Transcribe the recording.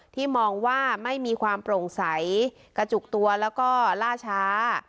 มองว่าไม่มีความโปร่งใสกระจุกตัวแล้วก็ล่าช้า